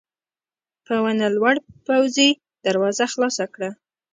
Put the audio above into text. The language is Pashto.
په ونه لوړ پوځي دروازه خلاصه کړه.